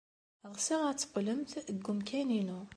Ɣseɣ ad d-teqqlemt deg umkan-inu.